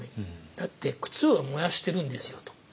だって靴を燃やしてるんですよと。